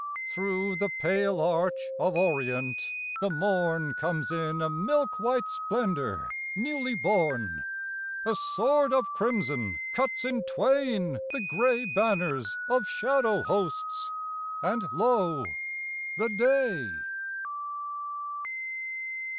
Through the pale arch of orient the morn Comes in a milk white splendor newly born, A sword of crimson cuts in twain the gray Banners of shadow hosts, and lo, the day